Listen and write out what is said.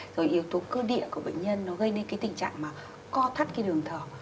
rồi yếu tố cơ địa của bệnh nhân nó gây nên cái tình trạng mà co thắt cái đường thở